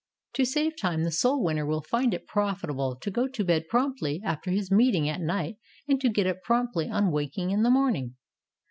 To save time the soul winner will find it profitable to go to bed promptly after his meeting at night and to get up promptly on waking in the morning.